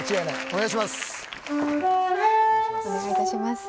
お願いいたします